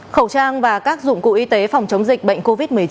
khẩu trang và các dụng cụ y tế phòng chống dịch bệnh covid một mươi chín